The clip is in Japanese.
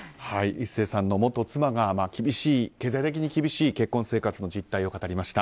壱成さんの元妻が経済的に厳しい結婚生活の実態を語りました。